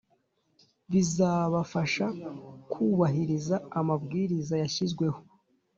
bizabafasha kubahiriza amabwiriza yashyizweho